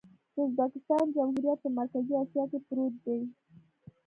د ازبکستان جمهوریت په مرکزي اسیا کې پروت دی.